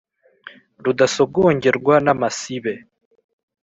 Rudasongerwa n’ amasibe